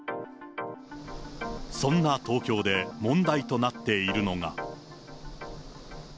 そんな東京で問題となっているのが。